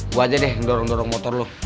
gua aja deh yang dorong dorong motor lu